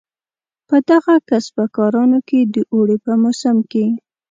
په دغو کسبه کارانو کې د اوړي په موسم کې.